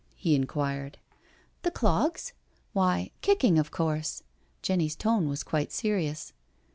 he inquired. " The clogs? Why, kicking of course." Jenny's tone was quite serious.